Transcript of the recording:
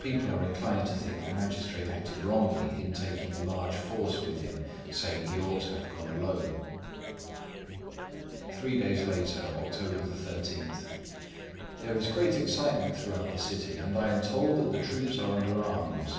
People are inclined to think the magistrate acted wrongly in taking a large force with him, saying he ought to have gone alone." Three days later, October 13:— "There is great excitement throughout the city, and I am told that the troops are under arms.